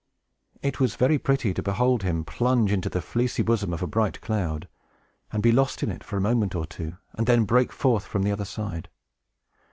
It was very pretty to behold him plunge into the fleecy bosom of a bright cloud, and be lost in it, for a moment or two, and then break forth from the other side.